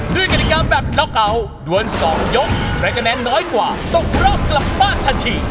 กฎิกาแบบเก่าดวน๒ยกและคะแนนน้อยกว่าตกรอบกลับบ้านทันที